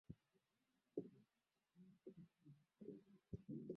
Achana na yule msichana ana roho mbaya.